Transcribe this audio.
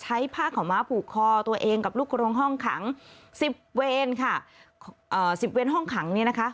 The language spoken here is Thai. ผ้าขาวม้าผูกคอตัวเองกับลูกโรงห้องขังสิบเวรค่ะเอ่อสิบเวนห้องขังเนี่ยนะคะ